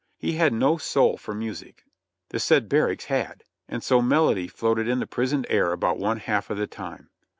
He had no soul for music, the said barracks had, and so melody floated in the prisoned air about one half of the time.